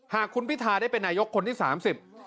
หากคุณพิธาได้เป็นนายกคนที่๓๐